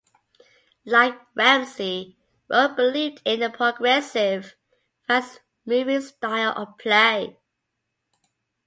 Like Ramsey, Rowe believed in a progressive, fast-moving style of play.